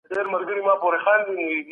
نوي مهارتونه ځوانانو ته ورښودل کيږي.